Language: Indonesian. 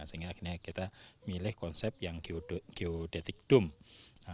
sehingga akhirnya kita milih konsep yang geodetik dome